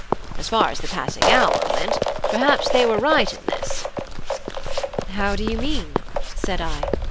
As far as the passing hour went, perhaps they were right in this." "How do you mean?" said I.